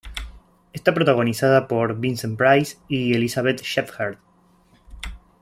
Está protagonizada por Vincent Price y Elizabeth Shepherd.